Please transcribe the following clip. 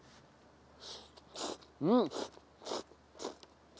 うん。